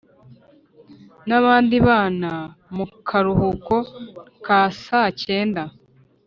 nabandi bana mukaruhuko ka sacyenda.